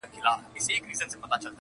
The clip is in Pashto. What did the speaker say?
د خوشحال غزل غزل مي دُر دانه دی,